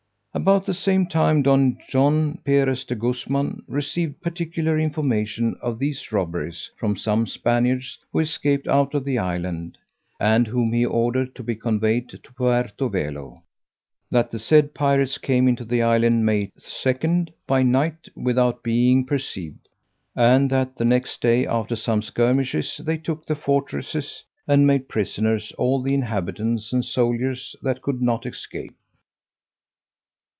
About the same time, Don John Perez de Guzman received particular information of these robberies from some Spaniards who escaped out of the island (and whom he ordered to be conveyed to Puerto Velo), that the said pirates came into the island May 2, by night, without being perceived; and that the next day, after some skirmishes, they took the fortresses, and made prisoners all the inhabitants and soldiers that could not escape.